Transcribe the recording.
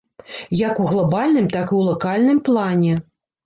Як у глабальным, так і ў лакальным плане.